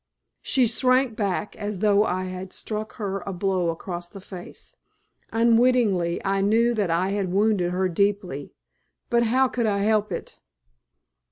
She shrank back as though I had struck her a blow across the face. Unwittingly I knew that I had wounded her deeply. But how could I help it?